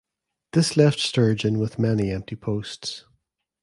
This left Sturgeon with many empty posts.